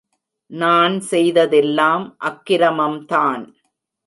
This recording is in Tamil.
நான் செய்ததெல்லாம் அக்ரமம்தான்.